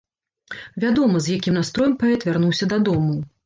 Вядома, з якім настроем паэт вярнуўся дадому.